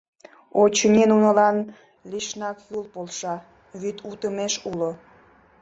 — Очыни, нунылан лишнак Юл полша, вӱд утымеш уло.